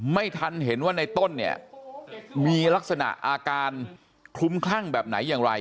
ไม่ทันเห็นว่าในต้นเนี่ยมีลักษณะอาการคลุมคลั่งแบบไหนอย่างไร